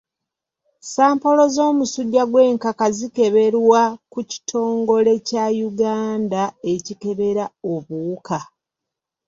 Sampolo z'omusujja gw'enkaka zikeberebwa ku kitongole kya Uganda ekikebera obuwuka.